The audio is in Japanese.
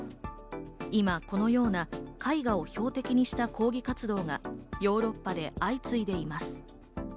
今、このような絵画を標的にした抗議活動がヨーロッパで相次いでいます。